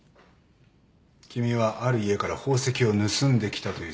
君はある家から宝石を盗んできたという設定だ。